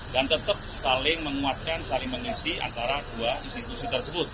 dan tetap saling menguatkan saling mengisi antara dua institusi tersebut